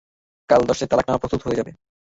কাল দশটায় তালাকনামা প্রস্তুত হয়ে যাবে।